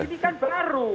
ini kan baru